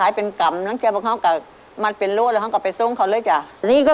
อันนี้ก็คืออีก๑อาชีพ